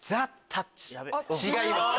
違います！